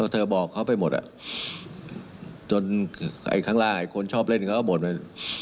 ก็เธอบอกเขาไปหมดอ่ะจนอีกครั้งล่างคนชอบเล่นเขาก็บ่นมา